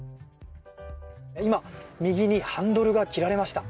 今、右にハンドルが切られました。